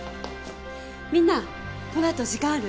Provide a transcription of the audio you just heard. みんなこの後時間ある？